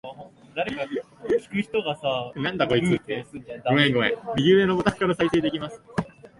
右上のボタンから再生できます